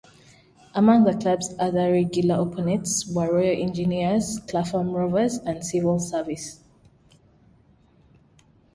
Among the club's other regular opponents were Royal Engineers, Clapham Rovers and Civil Service.